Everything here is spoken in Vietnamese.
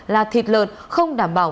là thịt lợn không đảm bảo